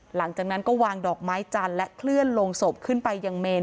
หลังจากนั้นก็วางดอกไม้จันทร์และเคลื่อนลงศพขึ้นไปยังเมน